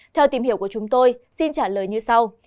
theo tìm hiểu của chúng tôi xin trả lời như sau